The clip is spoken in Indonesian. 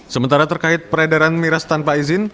sementara terkait peredaran miras tanpa izin